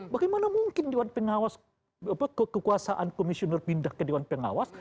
bagaimana mungkin dewan pengawas kekuasaan komisioner pindah ke dewan pengawas